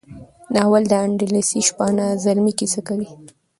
ناول د اندلسي شپانه زلمي کیسه کوي.